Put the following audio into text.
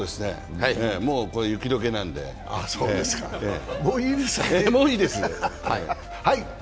もう雪解けなんで、もういいです。